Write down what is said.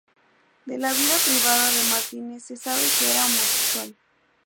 De la vida privada de Martínez se sabe que era homosexual.